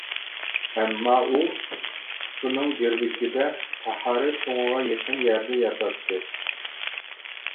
ئەمما، ئۇ سۇپىنىڭ گىرۋىكىدە تاھارەت تۇڭىغا يېقىن يەردە ياتاتتى.